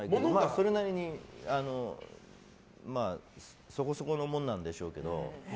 それなりにそこそこのものなんでしょうけど。